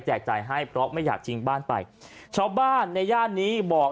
จ่ายให้เพราะไม่อยากชิงบ้านไปชาวบ้านในย่านนี้บอก